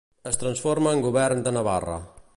Es transforma en Govern de Navarra.